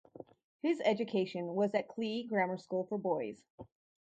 His education was at Clee Grammar School for Boys.